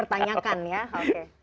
itu dipertanyakan ya oke